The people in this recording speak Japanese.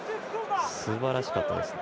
すばらしかったですね。